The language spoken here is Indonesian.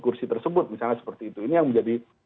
kursi tersebut misalnya seperti itu ini yang menjadi